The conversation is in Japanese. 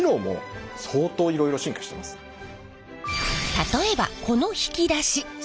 例えばこの引き出し！